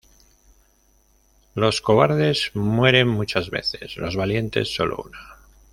Los cobardes mueren muchas veces, los valientes solo una